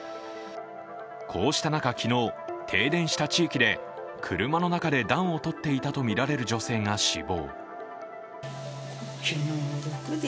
こうした中、昨日、停電した地域で、車の中で暖を取っていたとみられる女性が死亡。